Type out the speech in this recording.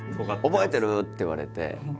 「覚えてる？」って言われて。